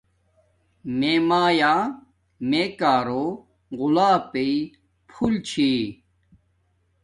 میے مایآ میے کارو غلاپݵ پحول چھی